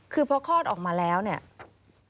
คือพอคลอดออกมาแล้วเนี่ย